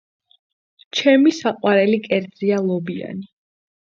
ჩემი საყვარელი კერძია ლობიანი.